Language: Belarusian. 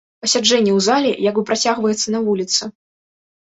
Пасяджэнне ў зале як бы працягваецца на вуліцы.